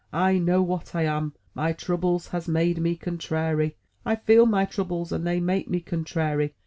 I know what I am. My troubles has made me contrairy. I feel my troubles, and they make me contrairy.